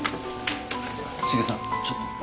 茂さんちょっと。